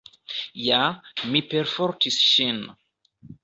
Ja, mi perfortis ŝin.